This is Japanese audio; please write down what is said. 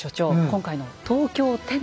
今回の「東京奠都」